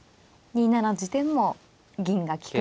２七の地点も銀が利くように。